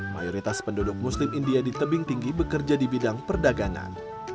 mayoritas penduduk muslim india di tebing tinggi bekerja di bidang perdagangan